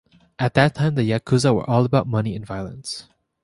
At that time, the Yakuza were all about money and violence.